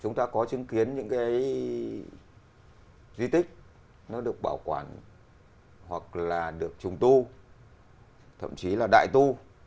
chúng ta có chứng kiến những cái di tích nó được bảo quản hoặc là được trùng tu thậm chí là đại tu